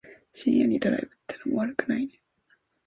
深夜にドライブってのも悪くないね。